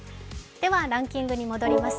ランキングに戻ります。